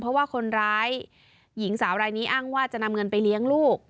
เพราะว่าคนร้ายหญิงสาวรายนี้อ้างว่าจะนำเงินไปเลี้ยงลูก